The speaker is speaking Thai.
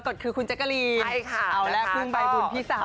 ก็คือราศีหนึ่งในกระกดคือคุณแจกกระรีนใช่ค่ะ